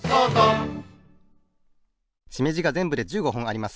しめじがぜんぶで１５ほんあります。